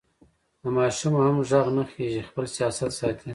له ماشومه هم غږ نه خېژي؛ خپل سیاست ساتي.